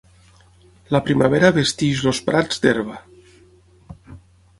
La primavera vesteix els prats d'herba.